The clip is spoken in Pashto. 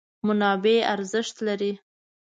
منابع ارزښت لري.